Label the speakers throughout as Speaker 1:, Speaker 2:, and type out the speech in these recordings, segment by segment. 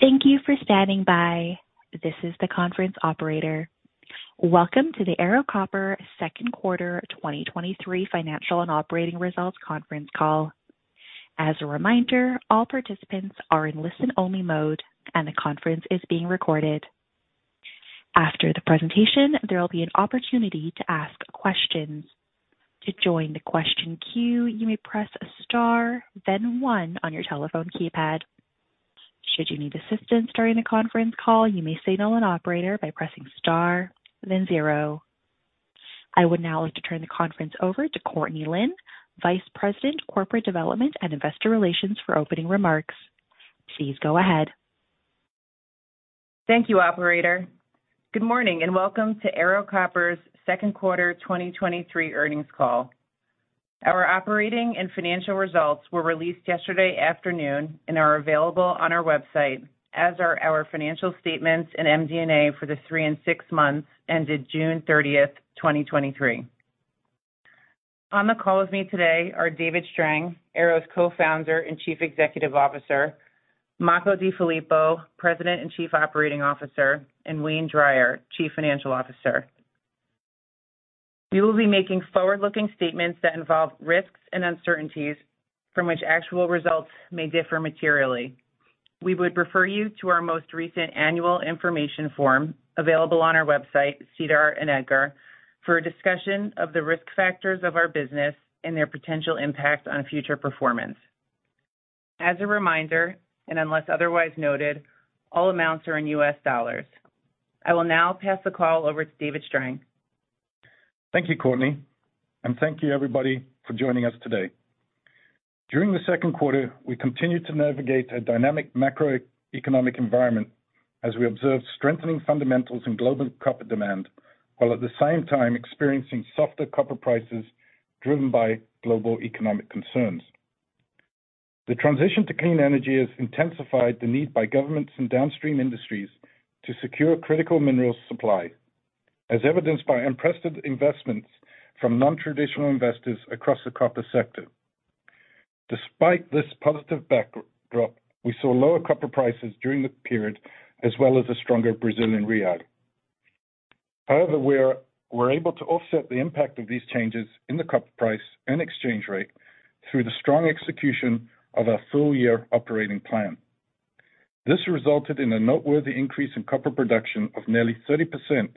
Speaker 1: Thank you for standing by. This is the conference operator. Welcome to the Ero Copper Q2 2023 Financial and Operating Results conference call. As a reminder, all participants are in listen-only mode, and the conference is being recorded. After the presentation, there will be an opportunity to ask questions. To join the question queue, you may press star, then 1 on your telephone keypad. Should you need assistance during the conference call, you may say null and operator by pressing star, then 0. I would now like to turn the conference over to Courtney Lynn, Vice President, Corporate Development and Investor Relations, for opening remarks. Please go ahead.
Speaker 2: Thank you, operator. Good morning, and welcome to Ero Copper's Q2 2023 earnings call. Our operating and financial results were released yesterday afternoon and are available on our website, as are our financial statements and MD&A for the 3 and 6 months, ended June 30, 2023. On the call with me today are David Strang, Ero's Co-founder and Chief Executive Officer, Makko DeFilippo, President and Chief Operating Officer, and Wayne Drier, Chief Financial Officer. We will be making forward-looking statements that involve risks and uncertainties from which actual results may differ materially. We would refer you to our most recent annual information form, available on our website, SEDAR and EDGAR, for a discussion of the risk factors of our business and their potential impact on future performance. As a reminder, and unless otherwise noted, all amounts are in U.S. dollars. I will now pass the call over to David Strang.
Speaker 3: Thank you, Courtney. Thank you everybody for joining us today. During Q2, we continued to navigate a dynamic macroeconomic environment as we observed strengthening fundamentals in global copper demand, while at the same time experiencing softer copper prices driven by global economic concerns. The transition to clean energy has intensified the need by governments and downstream industries to secure critical minerals supply, as evidenced by impressive investments from non-traditional investors across the copper sector. Despite this positive backdrop, we saw lower copper prices during the period, as well as a stronger Brazilian real. We're able to offset the impact of these changes in the copper price and exchange rate through the strong execution of our full-year operating plan. This resulted in a noteworthy increase in copper production of nearly 30%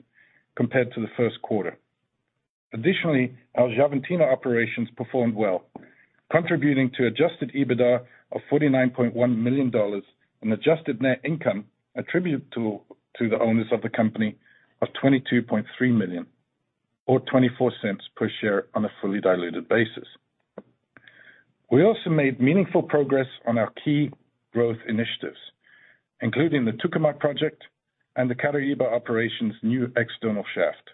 Speaker 3: compared to Q1. Additionally, our Xavantina operations performed well, contributing to adjusted EBITDA of $49.1 million, and adjusted net income attributed to the owners of the company of $22.3 million, or $0.24 per share on a fully diluted basis. We also made meaningful progress on our key growth initiatives, including the Tucumã project and the Caraíba operations' new external shaft.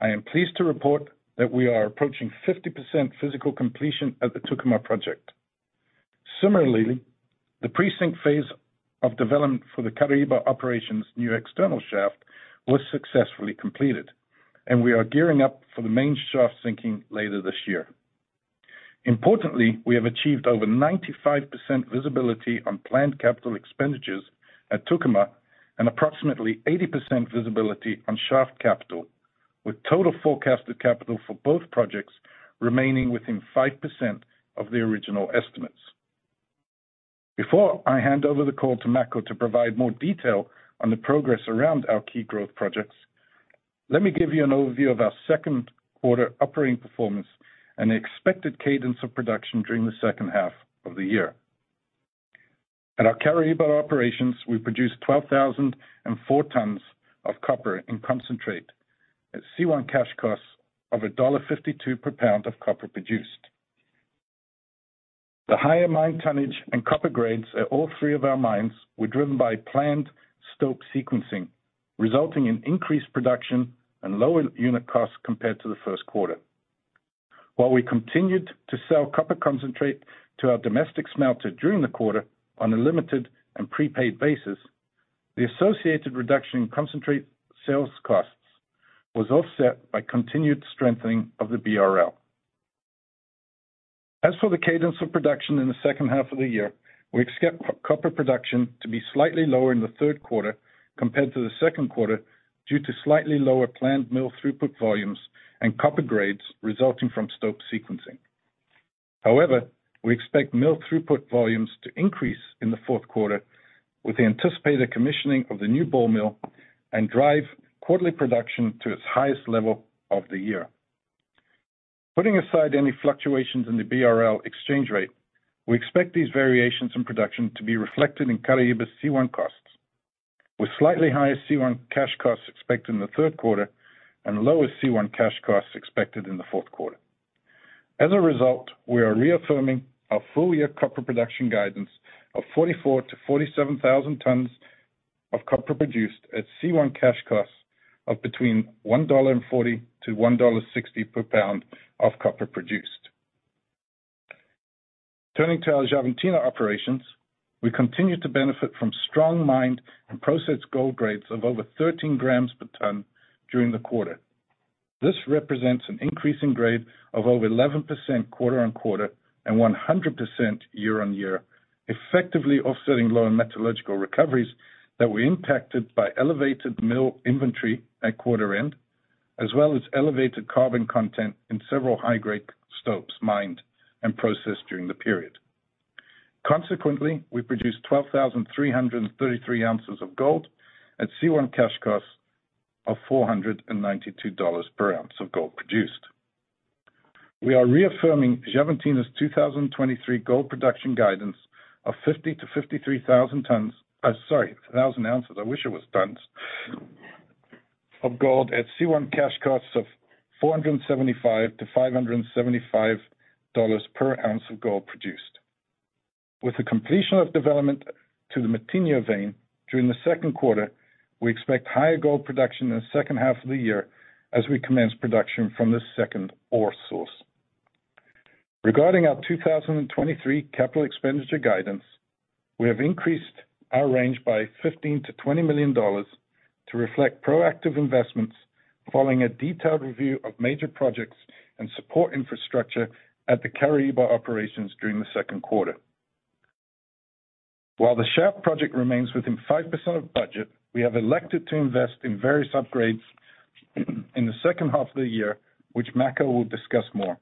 Speaker 3: I am pleased to report that we are approaching 50% physical completion of the Tucumã project. Similarly, the pre-sink phase of development for the Caraíba operations' new external shaft was successfully completed, and we are gearing up for the main shaft sinking later this year. Importantly, we have achieved over 95% visibility on planned CapEx at Tucumã, and approximately 80% visibility on shaft capital, with total forecasted capital for both projects remaining within 5% of the original estimates. Before I hand over the call to Makko to provide more detail on the progress around our key growth projects, let me give you an overview of our Q2 operating performance and the expected cadence of production during the second half of the year. At our Caraíba operations, we produced 12,004 tons of copper in concentrate at C1 cash costs of $1.52 per pound of copper produced. The higher mine tonnage and copper grades at all three of our mines were driven by planned stope sequencing, resulting in increased production and lower unit costs compared to the first quarter. While we continued to sell copper concentrate to our domestic smelter during the quarter on a limited and prepaid basis, the associated reduction in concentrate sales costs was offset by continued strengthening of the BRL. As for the cadence of production in the second half of the year, we expect copper production to be slightly lower in the Q3 compared to Q2, due to slightly lower planned mill throughput volumes and copper grades resulting from stope sequencing. We expect mill throughput volumes to increase in the fourth quarter with the anticipated commissioning of the new ball mill and drive quarterly production to its highest level of the year. Putting aside any fluctuations in the BRL exchange rate, we expect these variations in production to be reflected in Caraíba's C1 costs, with slightly higher C1 cash costs expected in the Q3 and lower C1 cash costs expected in the fourth quarter. As a result, we are reaffirming our full-year copper production guidance of 44,000-47,000 tons of copper produced at C1 cash costs of between $1.40-$1.60 per pound of copper produced. Turning to our Xavantina operations, we continue to benefit from strong mined and processed gold grades of over 13 grams per ton during the quarter. This represents an increase in grade of over 11% quarter-on-quarter and 100% year-on-year, effectively offsetting low metallurgical recoveries that were impacted by elevated mill inventory at quarter end, as well as elevated carbon content in several high-grade stopes mined and processed during the period. Consequently, we produced 12,333 ounces of gold at C1 cash costs of $492 per ounce of gold produced. We are reaffirming Xavantina's 2023 gold production guidance of 50,000-53,000 tons. Sorry, thousand ounces. I wish it was tons, of gold at C1 cash costs of $475-$575 per ounce of gold produced. With the completion of development to the Matinha vein during Q2, we expect higher gold production in the second half of the year as we commence production from the second ore source. Regarding our 2023 capital expenditure guidance, we have increased our range by $15 million-$20 million to reflect proactive investments following a detailed review of major projects and support infrastructure at the Caraíba operations during Q2. While the shaft project remains within 5% of budget, we have elected to invest in various upgrades in the second half of the year, which Makko will discuss more,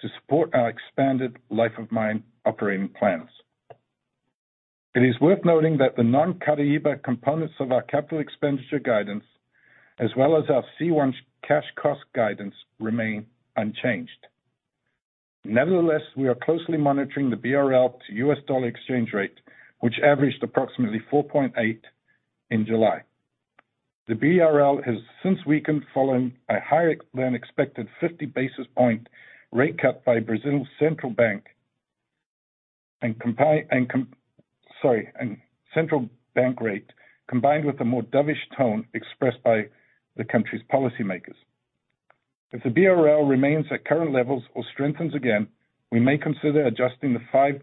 Speaker 3: to support our expanded life of mine operating plans. It is worth noting that the non-Caraíba components of our capital expenditure guidance, as well as our C1 cash cost guidance, remain unchanged. Nevertheless, we are closely monitoring the BRL to U.S. dollar exchange rate, which averaged approximately 4.8 in July. The BRL has since weakened, following a higher-than-expected 50 basis point rate cut by Brazil's central bank and central bank rate, combined with a more dovish tone expressed by the country's policymakers. If the BRL remains at current levels or strengthens again, we may consider adjusting the five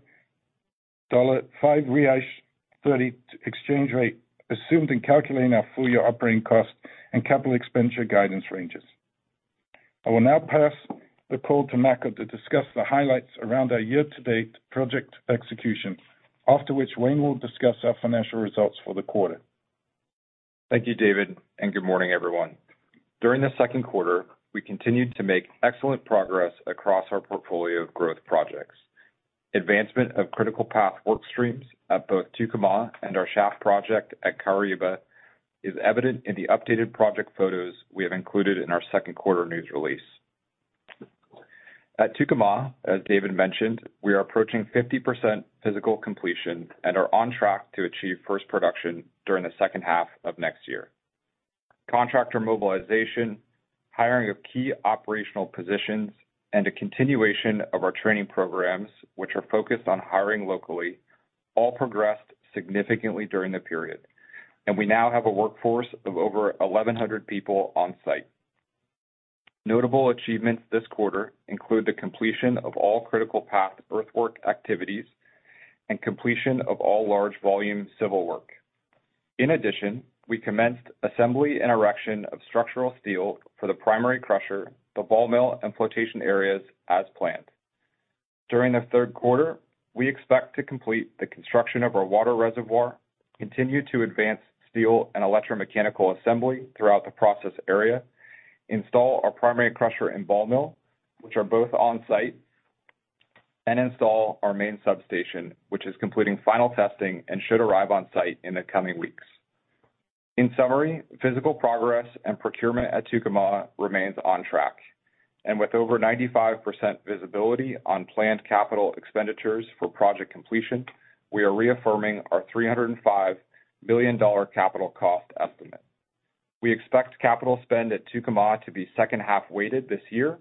Speaker 3: dollar, 5.30 exchange rate assumed in calculating our full year operating costs and capital expenditure guidance ranges. I will now pass the call to Makko to discuss the highlights around our year-to-date project execution, after which Wayne will discuss our financial results for the quarter.
Speaker 4: Thank you, David, and good morning, everyone. During Q2, we continued to make excellent progress across our portfolio of growth projects. Advancement of critical path work streams at both Tucumã and our shaft project at Caraíba is evident in the updated project photos we have included in our Q2 news release. At Tucumã, as David mentioned, we are approaching 50% physical completion and are on track to achieve first production during the second half of next year. Contractor mobilization, hiring of key operational positions, and a continuation of our training programs, which are focused on hiring locally, all progressed significantly during the period, and we now have a workforce of over 1,100 people on-site. Notable achievements this quarter include the completion of all critical path earthwork activities and completion of all large volume civil work. In addition, we commenced assembly and erection of structural steel for the primary crusher, the ball mill, and flotation areas as planned. During the 3rd quarter, we expect to complete the construction of our water reservoir, continue to advance steel and electromechanical assembly throughout the process area, install our primary crusher and ball mill, which are both on-site, and install our main substation, which is completing final testing and should arrive on-site in the coming weeks. In summary, physical progress and procurement at Tucumã remains on track, and with over 95% visibility on planned capital expenditures for project completion, we are reaffirming our $305 million capital cost estimate. We expect capital spend at Tucumã to be second-half weighted this year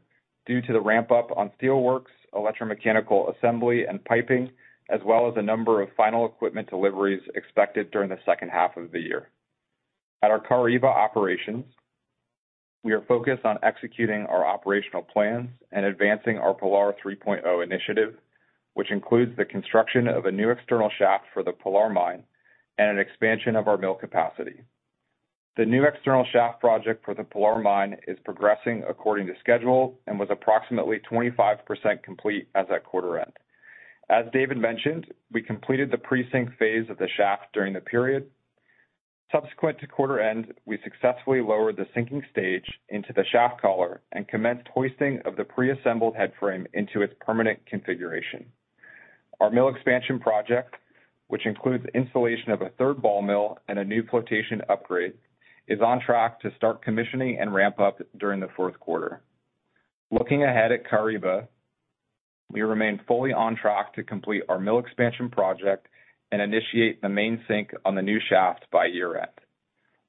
Speaker 4: due to the ramp-up on steelworks, electromechanical assembly, and piping, as well as a number of final equipment deliveries expected during the second half of the year. At our Caraíba operations, we are focused on executing our operational plans and advancing our Pilar 3.0 initiative, which includes the construction of a new external shaft for the Pilar mine and an expansion of our mill capacity. The new external shaft project for the Pilar mine is progressing according to schedule and was approximately 25% complete as at quarter end. As David mentioned, we completed the pre-sink phase of the shaft during the period. Subsequent to quarter end, we successfully lowered the sinking stage into the shaft collar and commenced hoisting of the pre-assembled headframe into its permanent configuration. Our mill expansion project, which includes installation of a third ball mill and a new flotation upgrade, is on track to start commissioning and ramp up during the fourth quarter. Looking ahead at Caraíba, we remain fully on track to complete our mill expansion project and initiate the main sink on the new shaft by year-end.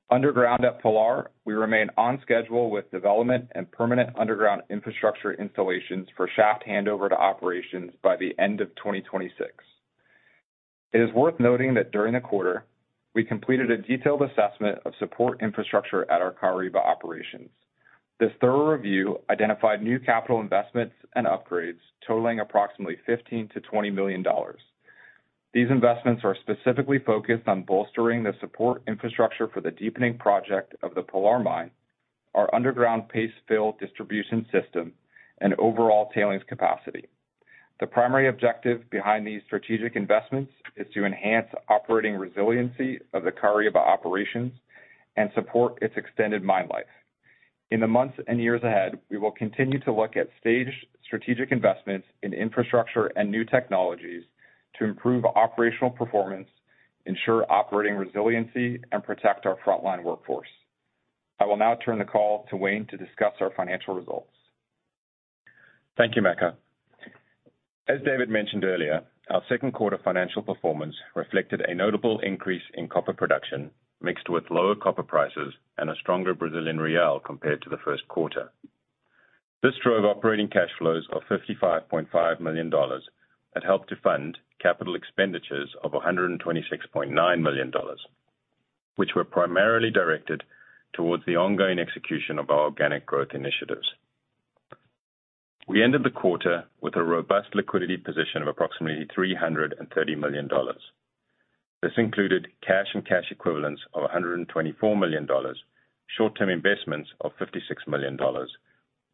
Speaker 4: Underground at Pilar, we remain on schedule with development and permanent underground infrastructure installations for shaft handover to operations by the end of 2026. It is worth noting that during the quarter, we completed a detailed assessment of support infrastructure at our Caraíba operations. This thorough review identified new capital investments and upgrades totaling approximately $15 million-$20 million. These investments are specifically focused on bolstering the support infrastructure for the deepening project of the Pilar Mine, our underground paste fill distribution system, and overall tailings capacity. The primary objective behind these strategic investments is to enhance operating resiliency of the Caraíba operations and support its extended mine life. In the months and years ahead, we will continue to look at stage strategic investments in infrastructure and new technologies to improve operational performance, ensure operating resiliency, and protect our frontline workforce. I will now turn the call to Wayne to discuss our financial results.
Speaker 5: Thank you, Makko. As David mentioned earlier, our Q2 financial performance reflected a notable increase in copper production, mixed with lower copper prices and a stronger Brazilian real compared to Q1. This drove operating cash flows of $55.5 million and helped to fund capital expenditures of $126.9 million, which were primarily directed towards the ongoing execution of our organic growth initiatives. We ended the quarter with a robust liquidity position of approximately $330 million. This included cash and cash equivalents of $124 million, short-term investments of $56 million,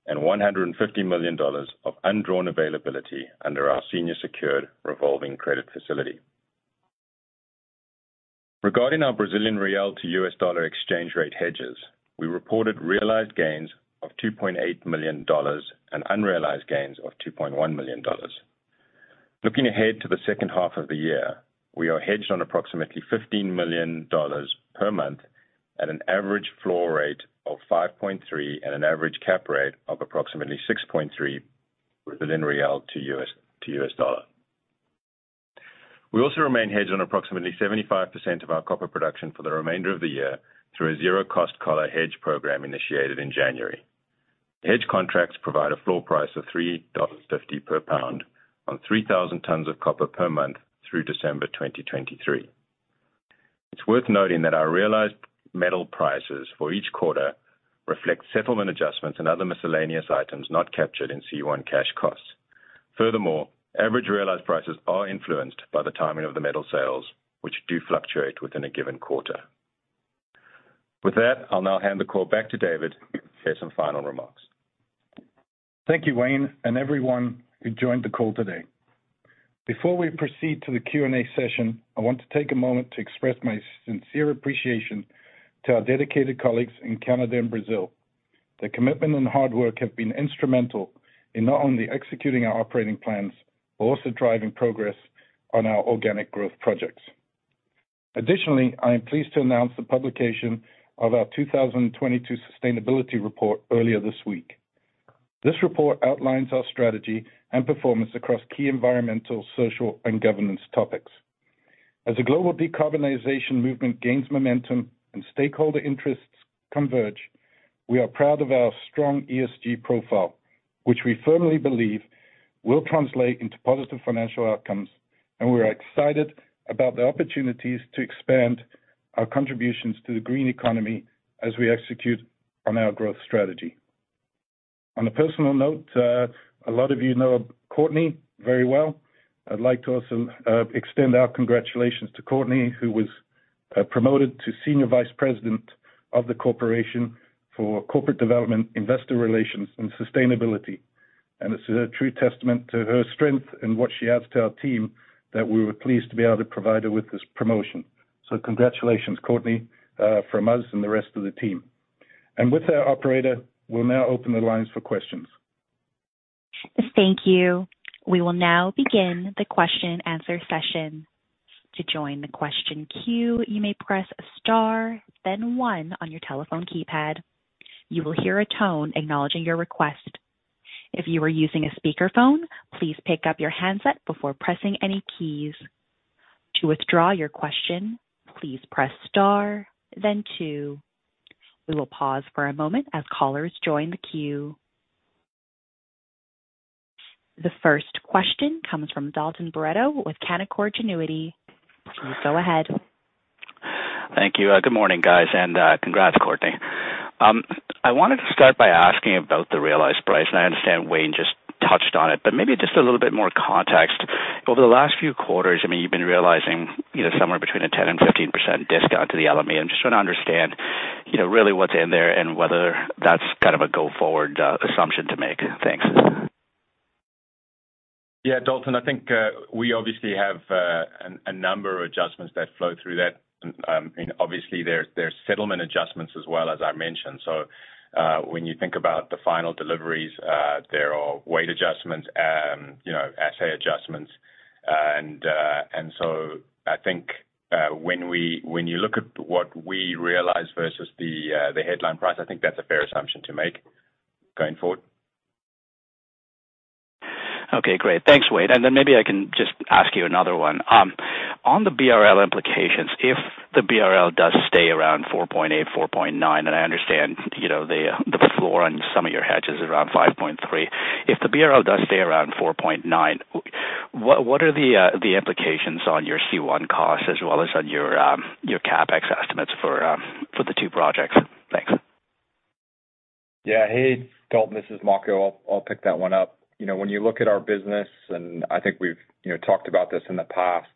Speaker 5: and $150 million of undrawn availability under our senior secured revolving credit facility. Regarding our Brazilian real to U.S. dollar exchange rate hedges, we reported realized gains of $2.8 million and unrealized gains of $2.1 million. Looking ahead to the second half of the year, we are hedged on approximately $15 million per month at an average floor rate of 5.3 and an average cap rate of approximately 6.3 Brazilian real to U.S. dollar. We also remain hedged on approximately 75% of our copper production for the remainder of the year through a zero-cost collar hedge program initiated in January. The hedge contracts provide a floor price of $3.50 per pound on 3,000 tons of copper per month through December 2023. It's worth noting that our realized metal prices for each quarter reflect settlement adjustments and other miscellaneous items not captured in C1 cash costs. Furthermore, average realized prices are influenced by the timing of the metal sales, which do fluctuate within a given quarter. With that, I'll now hand the call back to David for some final remarks.
Speaker 3: Thank you, Wayne, and everyone who joined the call today. Before we proceed to the Q&A session, I want to take a moment to express my sincere appreciation to our dedicated colleagues in Canada and Brazil. Their commitment and hard work have been instrumental in not only executing our operating plans, but also driving progress on our organic growth projects. Additionally, I am pleased to announce the publication of our 2022 sustainability report earlier this week. This report outlines our strategy and performance across key environmental, social, and governance topics. As the global decarbonization movement gains momentum and stakeholder interests converge, we are proud of our strong ESG profile, which we firmly believe will translate into positive financial outcomes, and we are excited about the opportunities to expand our contributions to the green economy as we execute on our growth strategy. On a personal note, a lot of you know Courtney very well. I'd like to also extend our congratulations to Courtney, who was promoted to Senior Vice President of the Corporation for Corporate Development, Investor Relations and Sustainability. This is a true testament to her strength and what she adds to our team, that we were pleased to be able to provide her with this promotion. So congratulations, Courtney, from us and the rest of the team. With that, operator, we'll now open the lines for questions.
Speaker 1: Thank you. We will now begin the question and answer session. To join the question queue, you may press star, then one on your telephone keypad. You will hear a tone acknowledging your request. If you are using a speakerphone, please pick up your handset before pressing any keys. To withdraw your question, please press star, then two. We will pause for a moment as callers join the queue. The first question comes from Dalton Baretto with Canaccord Genuity. Please go ahead.
Speaker 6: Thank you. Good morning, guys, and congrats, Courtney. I wanted to start by asking about the realized price, and I understand Wayne just touched on it, but maybe just a little bit more context. Over the last few quarters, I mean, you've been realizing, you know, somewhere between a 10% and 15% discount to the LME. I'm just trying to understand, you know, really what's in there and whether that's kind of a go-forward assumption to make. Thanks.
Speaker 5: Yeah, Dalton, I think we obviously have a number of adjustments that flow through that. Obviously there's settlement adjustments as well, as I mentioned. When you think about the final deliveries, there are weight adjustments, assay adjustments. When you look at what we realize versus the headline price, I think that's a fair assumption to make going forward.
Speaker 6: Okay, great. Thanks, Wade. Maybe I can just ask you another one. On the BRL implications, if the BRL does stay around 4.8, 4.9, and I understand, you know, the, the floor on some of your hedges is around 5.3. If the BRL does stay around 4.9. What are the implications on your C1 costs as well as on your CapEx estimates for the two projects?
Speaker 4: Yeah. Hey, Dalton, this is Makko. I'll, I'll pick that one up. You know, when you look at our business, and I think we've, you know, talked about this in the past,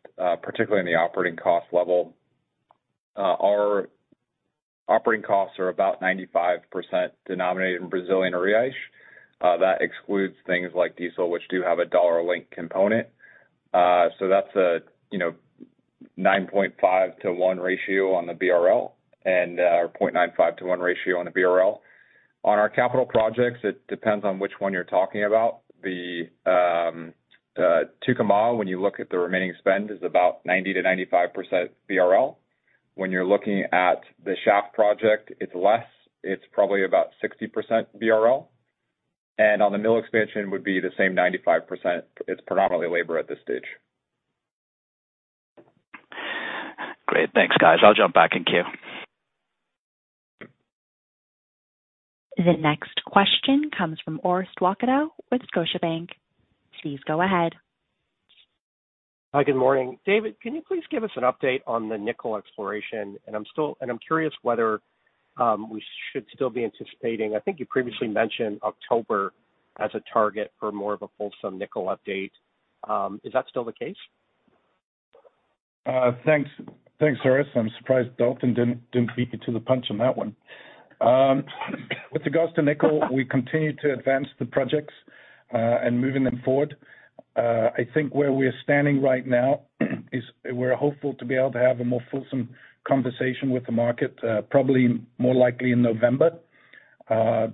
Speaker 4: particularly in the operating cost level, our operating costs are about 95% denominated in Brazilian reais. That excludes things like diesel, which do have a dollar link component. That's a, you know, 9.5 to 1 ratio on the BRL and, or 0.95 to 1 ratio on the BRL. On our capital projects, it depends on which one you're talking about. The Tucumã, when you look at the remaining spend, is about 90%-95% BRL. When you're looking at the shaft project, it's less, it's probably about 60% BRL, and on the mill expansion would be the same 95%. It's predominantly labor at this stage.
Speaker 6: Great. Thanks, guys. I'll jump back in queue.
Speaker 1: The next question comes from Orest Wowkodaw with Scotiabank. Please go ahead.
Speaker 7: Hi, good morning. David, can you please give us an update on the nickel exploration? I'm curious whether we should still be anticipating. I think you previously mentioned October as a target for more of a fulsome nickel update. Is that still the case?
Speaker 3: Thanks. Thanks, Orest. I'm surprised Dalton didn't, didn't beat you to the punch on that one. With regards to nickel, we continue to advance the projects and moving them forward. I think where we're standing right now is we're hopeful to be able to have a more fulsome conversation with the market, probably more likely in November. I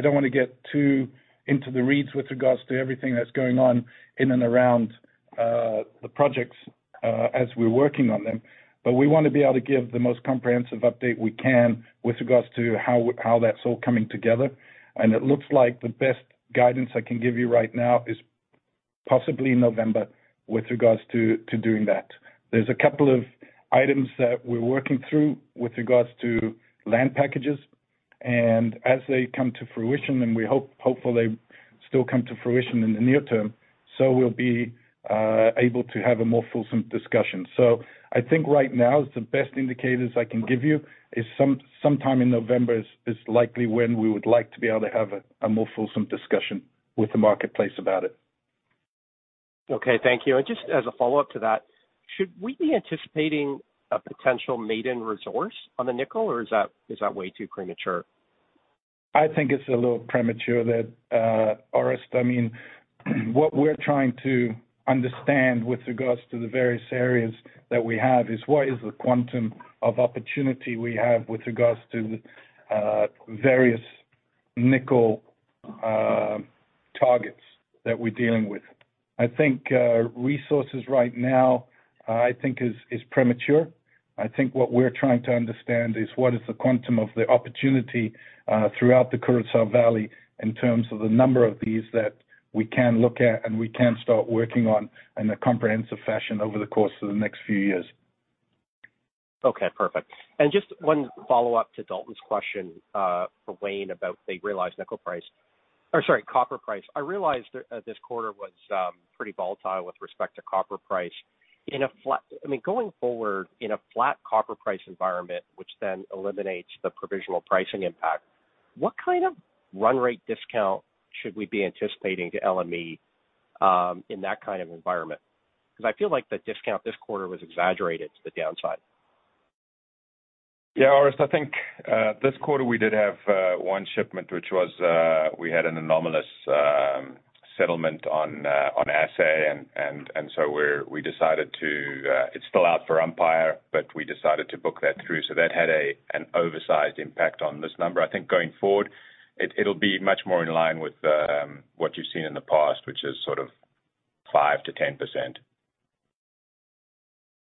Speaker 3: don't want to get too into the reads with regards to everything that's going on in and around the projects as we're working on them. We want to be able to give the most comprehensive update we can with regards to how, how that's all coming together. It looks like the best guidance I can give you right now is possibly November with regards to, to doing that. There's a couple of items that we're working through with regards to land packages, and as they come to fruition, and hopefully, they still come to fruition in the near term, so we'll be able to have a more fulsome discussion. I think right now, the best indicators I can give you is sometime in November is, is likely when we would like to be able to have a more fulsome discussion with the marketplace about it.
Speaker 7: Okay, thank you. Just as a follow-up to that, should we be anticipating a potential maiden resource on the nickel, or is that, is that way too premature?
Speaker 3: I think it's a little premature there, Orest. What we're trying to understand with regards to the various areas that we have, is what is the quantum of opportunity we have with regards to various nickel targets that we're dealing with? I think resources right now, I think is, is premature. I think what we're trying to understand is, what is the quantum of the opportunity throughout the Curaçá Valley in terms of the number of these that we can look at, and we can start working on in a comprehensive fashion over the course of the next few years.
Speaker 7: Okay, perfect. Just 1 follow-up to Dalton's question for Wayne about the realized nickel price. Or sorry, copper price. I realized that this quarter was pretty volatile with respect to copper price. Going forward, in a flat copper price environment, which then eliminates the provisional pricing impact, what kind of run rate discount should we be anticipating to LME in that kind of environment? Because I feel like the discount this quarter was exaggerated to the downside.
Speaker 4: Yeah, Orest, I think this quarter, we did have one shipment, which was, we had an anomalous settlement on assay. We decided to. It's still out for umpire, but we decided to book that through. That had an oversized impact on this number. I think going forward, it'll be much more in line with what you've seen in the past, which is sort of 5%-10%.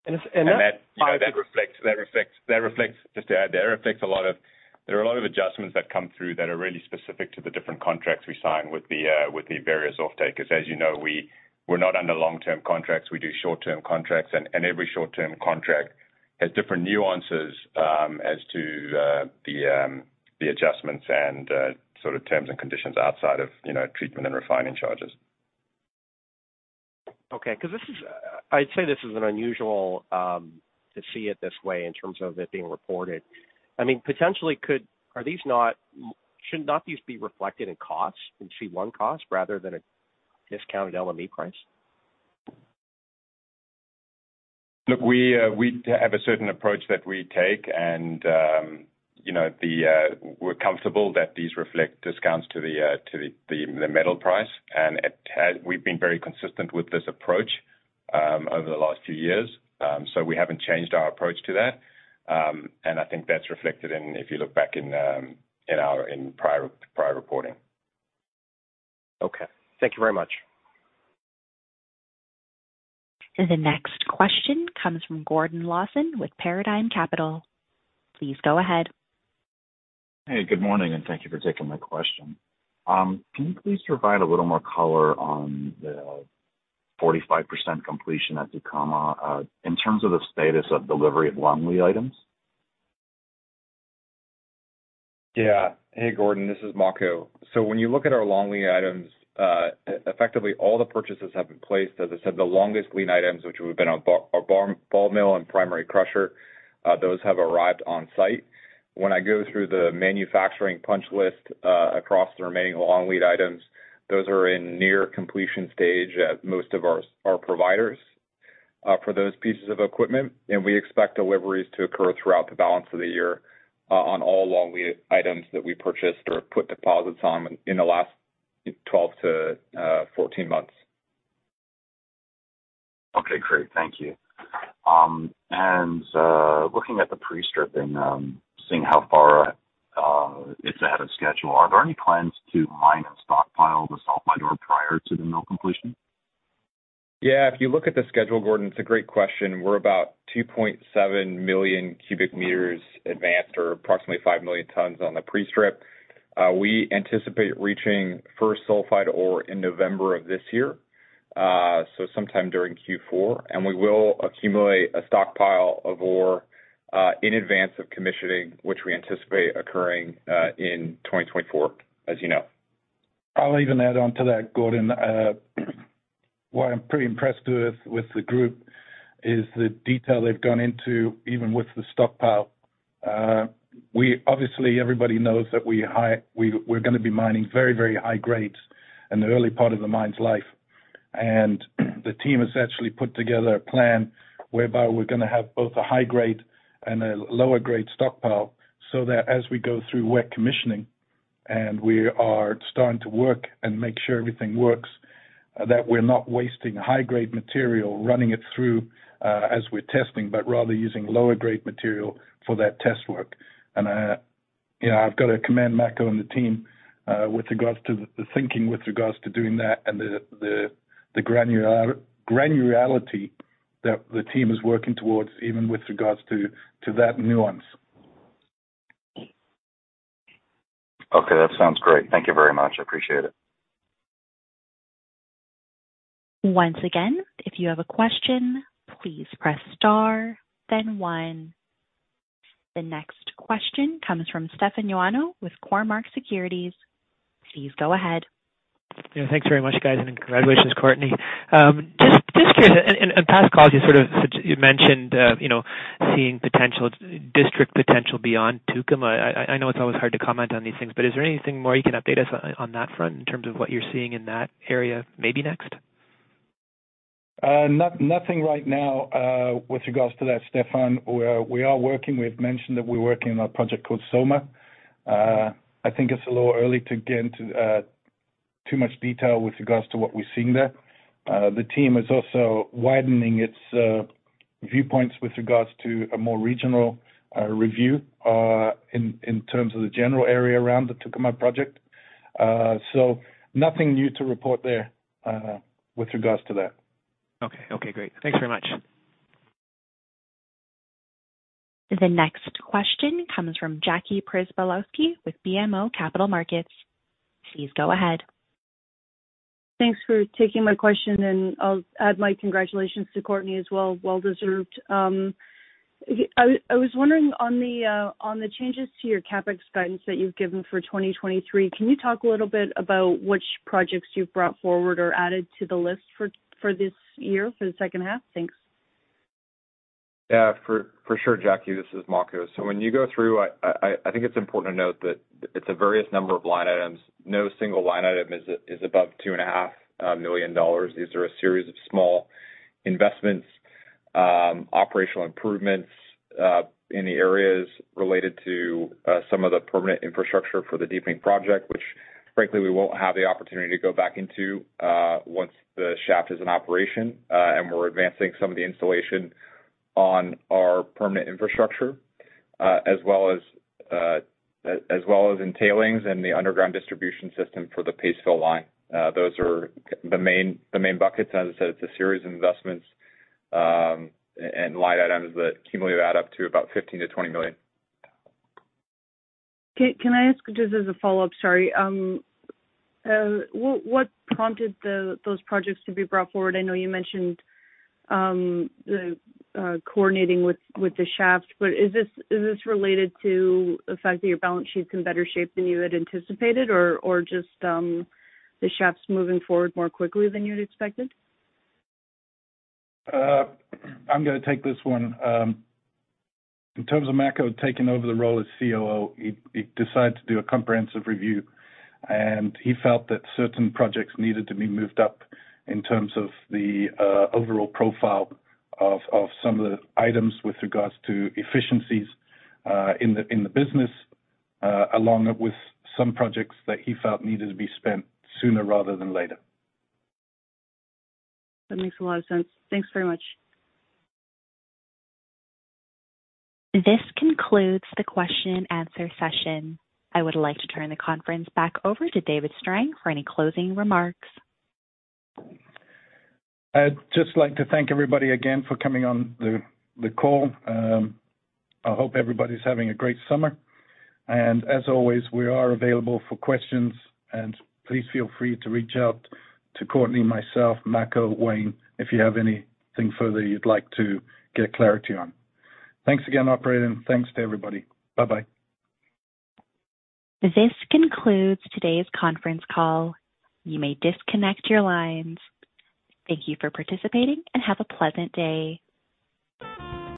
Speaker 7: And if-
Speaker 4: That reflects, just to add, that reflects there are a lot of adjustments that come through that are really specific to the different contracts we sign with the various offtakers. As you know, we're not under long-term contracts, we do short-term contracts. Every short-term contract has different nuances as to the adjustments and sort of terms and conditions outside of, you know, treatment and refining charges.
Speaker 7: Okay, because this is, I'd say this is an unusual to see it this way in terms of it being reported. I mean, should not these be reflected in costs, in C1 costs, rather than a discounted LME price?
Speaker 4: Look, we have a certain approach that we take, and, you know, we're comfortable that these reflect discounts to the, to the, the metal price. We've been very consistent with this approach, over the last few years. We haven't changed our approach to that. I think that's reflected in, if you look back in, in our, in prior reporting.
Speaker 7: Okay. Thank you very much.
Speaker 1: The next question comes from Gordon Lawson with Paradigm Capital. Please go ahead.
Speaker 8: Hey, good morning, and thank you for taking my question. Can you please provide a little more color on the 45% completion at Tucumã, in terms of the status of delivery of long lead items?
Speaker 4: Yeah. Hey, Gordon, this is Makko. When you look at our long lead items, effectively, all the purchases have been placed. As I said, the longest lead items, which would have been our bar, ball mill and primary crusher. Those have arrived on site. When I go through the manufacturing punch list, across the remaining long lead items, those are in near completion stage at most of our, our providers, for those pieces of equipment. We expect deliveries to occur throughout the balance of the year, on all long lead items that we purchased or put deposits on in the last 12-14 months.
Speaker 8: Okay, great. Thank you. Looking at the pre-stripping, seeing how far it's ahead of schedule, are there any plans to mine and stockpile the sulfide ore prior to the mill completion?
Speaker 4: Yeah, if you look at the schedule, Gordon, it's a great question. We're about 2.7 million cubic meters advanced, or approximately 5 million tons on the pre-strip. We anticipate reaching first sulfide ore in November of this year, sometime during Q4, and we will accumulate a stockpile of ore, in advance of commissioning, which we anticipate occurring in 2024, as you know.
Speaker 3: I'll even add on to that, Gordon. What I'm pretty impressed with, with the group is the detail they've gone into, even with the stockpile. Obviously, everybody knows that we're gonna be mining very, very high grades in the early part of the mine's life. The team has actually put together a plan whereby we're gonna have both a high grade and a lower grade stockpile, so that as we go through wet commissioning, and we are starting to work and make sure everything works, that we're not wasting high grade material, running it through, as we're testing, but rather using lower grade material for that test work. You know, I've got to commend Makko and the team, with regards to the thinking, with regards to doing that and the, the, the granular, granularity that the team is working towards, even with regards to, to that nuance.
Speaker 8: Okay, that sounds great. Thank you very much. I appreciate it.
Speaker 1: Once again, if you have a question, please press star, then one. The next question comes from Stefan Ioannou with Cormark Securities. Please go ahead.
Speaker 9: Yeah, thanks very much, guys, and congratulations, Courtney. Just curious, in past calls, you sort of, you mentioned, you know, seeing potential, district potential beyond Tucumã. I know it's always hard to comment on these things, but is there anything more you can update us on that front, in terms of what you're seeing in that area, maybe next?
Speaker 3: Nothing right now, with regards to that, Stefan. We are, we are working. We've mentioned that we're working on a project called Soma. I think it's a little early to get into too much detail with regards to what we're seeing there. The team is also widening its viewpoints with regards to a more regional review in terms of the general area around the Tucumã project. Nothing new to report there with regards to that
Speaker 9: Okay. Okay, great. Thanks very much.
Speaker 1: The next question comes from Jackie Przybylowski with BMO Capital Markets. Please go ahead.
Speaker 10: Thanks for taking my question, and I'll add my congratulations to Courtney as well. Well deserved. I was wondering on the, on the changes to your CapEx guidance that you've given for 2023, can you talk a little bit about which projects you've brought forward or added to the list for, for this year, for the second half? Thanks.
Speaker 4: Yeah, for sure, Jackie. This is Makko. When you go through, I think it's important to note that it's a various number of line items. No single line item is above $2.5 million. These are a series of small investments, operational improvements, in the areas related to some of the permanent infrastructure for the Deep Mine Project, which frankly, we won't have the opportunity to go back into once the shaft is in operation. And we're advancing some of the installation on our permanent infrastructure, as well as in tailings and the underground distribution system for the paste fill line. Those are the main buckets. As I said, it's a series of investments, and line items that cumulatively add up to about $15 million-$20 million.
Speaker 10: Can, can I ask, just as a follow-up, sorry. What, what prompted the, those projects to be brought forward? I know you mentioned, the, coordinating with, with the shaft, but is this, is this related to the fact that your balance sheet's in better shape than you had anticipated, or, or just, the shaft's moving forward more quickly than you'd expected?
Speaker 3: I'm gonna take this one. In terms of Makko taking over the role as COO, he decided to do a comprehensive review. He felt that certain projects needed to be moved up in terms of the overall profile of some of the items with regards to efficiencies in the business, along with some projects that he felt needed to be spent sooner rather than later.
Speaker 10: That makes a lot of sense. Thanks very much.
Speaker 1: This concludes the question and answer session. I would like to turn the conference back over to David Strang for any closing remarks.
Speaker 3: I'd just like to thank everybody again for coming on the call. I hope everybody's having a great summer. As always, we are available for questions. Please feel free to reach out to Courtney, myself, Makko, Wayne, if you have anything further you'd like to get clarity on. Thanks again, operator. Thanks to everybody. Bye-bye.
Speaker 1: This concludes today's conference call. You may disconnect your lines. Thank you for participating and have a pleasant day.